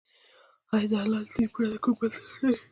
آيا د الله له دين پرته كوم بل څه لټوي،